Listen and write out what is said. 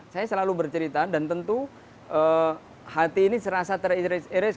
saya selalu bercerita dan tentu hati ini serasa teriris